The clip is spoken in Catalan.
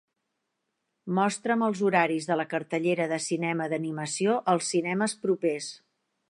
Mostra'm els horaris de la cartellera de cinema d'animació als cinemes propers